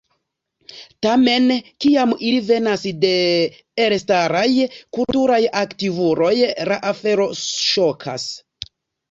Tamen, kiam ili venas de elstaraj kulturaj aktivuloj, la afero ŝokas.